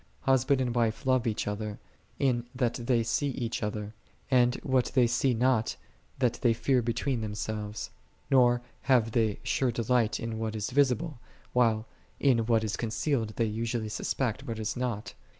Husband and wife love each other, in that they see each other: and what they see not, that they fear between themselves: nor have they sure de light in what is visible, while in what is con cealed they usually suspect what is not.